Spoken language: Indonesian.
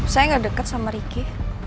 saya gak dekat sama ricky